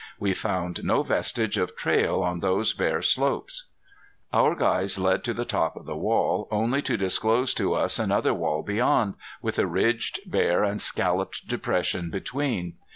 We found no vestige of trail on those bare slopes. Our guides led to the top of the wall, only to disclose to us another wall beyond, with a ridged, bare, and scalloped depression between.